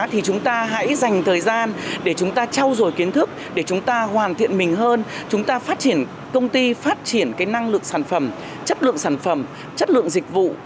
hãy dành thời gian để chúng ta trau dồi kiến thức để chúng ta hoàn thiện mình hơn chúng ta phát triển công ty phát triển cái năng lượng sản phẩm chất lượng sản phẩm chất lượng dịch vụ